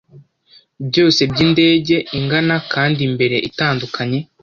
byose byindege ingana kandi imbere itandukanye